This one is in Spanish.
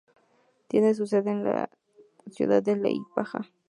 Tiene su sede en la ciudad de Liepāja.